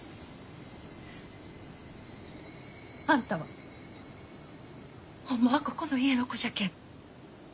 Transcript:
あんたはホンマはここの家の子じゃけん。